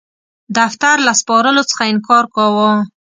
دفتر له سپارلو څخه انکار کاوه.